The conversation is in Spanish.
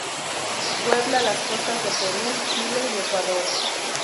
Puebla las costas de Perú, Chile y Ecuador.